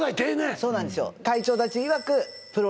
そうなんですよ